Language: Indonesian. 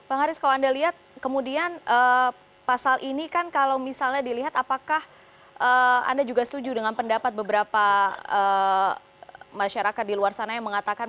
bang haris kalau anda lihat kemudian pasal ini kan kalau misalnya dilihat apakah anda juga setuju dengan pendapat beberapa masyarakat di luar sana yang mengatakan